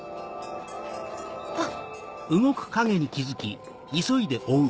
あっ！